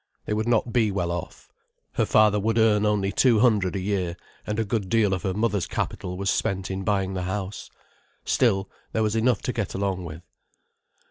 They would not be well off. Her father would earn only two hundred a year, and a good deal of her mother's capital was spent in buying the house. Still, there was enough to get along with.